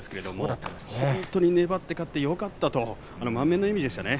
本当に粘って勝ってよかったと満面の笑みでした。